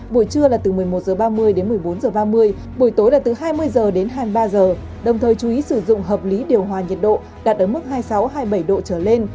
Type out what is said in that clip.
buổi trưa là từ một mươi một h ba mươi đến một mươi bốn h ba mươi buổi tối là từ hai mươi h đến hai mươi ba h đồng thời chú ý sử dụng hợp lý điều hòa nhiệt độ đạt ở mức hai mươi sáu hai mươi bảy độ trở lên